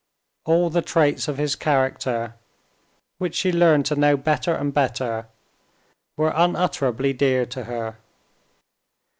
All the traits of his character, which she learned to know better and better, were unutterably dear to her.